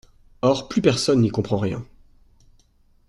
Or plus personne n’y comprend rien.